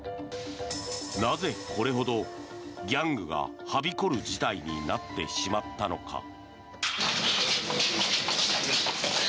なぜ、これほどギャングがはびこる事態になってしまったのか。